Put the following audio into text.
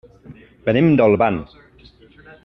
Venim d'Olvan.